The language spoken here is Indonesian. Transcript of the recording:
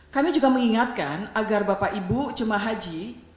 kami juga mengingatkan agar bapak ibu jemaah haji